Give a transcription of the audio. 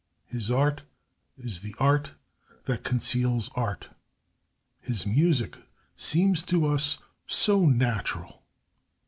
His art is the art that conceals art. His music seems to us so natural.